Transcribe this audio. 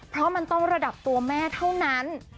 เพราะมันต้องระดับตัวแม่เท่านั้น